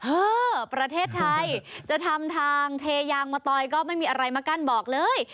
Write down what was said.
เออประเทศไทยจะทำทางเทยางมะตอยก็ไม่มีอะไรมากั้นบอกเลย